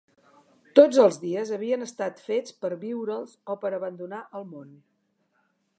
Tots els dies havien estat fets per viure'ls o per abandonar el món.